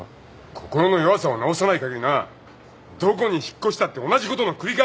心の弱さを治さないかぎりなどこに引っ越したって同じことの繰り返しだよ。